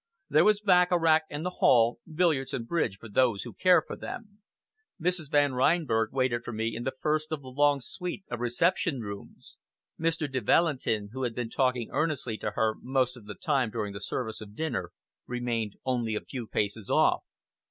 There was baccarat in the hall; billiards and bridge for those who care for them. Mrs. Van Reinberg waited for me in the first of the long suite of reception rooms. Mr. de Valentin, who had been talking earnestly to her most of the time during the service of dinner, remained only a few paces off.